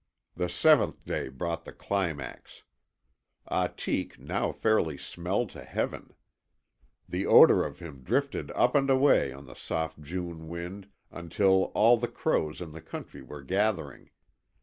The seventh day brought the climax. Ahtik now fairly smelled to heaven. The odour of him drifted up and away on the soft June wind until all the crows in the country were gathering.